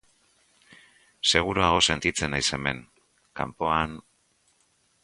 Seguruago sentitzen naiz hemen, kanpoan...